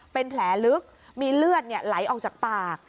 เป็นแผลลึกมีเลือดไหลออกจากปาก